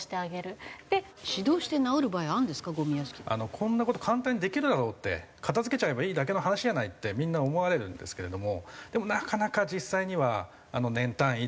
こんな事簡単にできるだろうって片付けちゃえばいいだけの話じゃないってみんな思われるんですけれどもでもなかなか実際には。